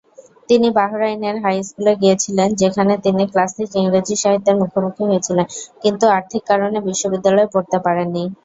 তিনি বাহরাইনের হাই স্কুলে গিয়েছিলেন, যেখানে তিনি ক্লাসিক ইংরেজি সাহিত্যের মুখোমুখি হয়েছিলেন, কিন্তু আর্থিক কারণে বিশ্ববিদ্যালয়ে পড়তে পারেননি।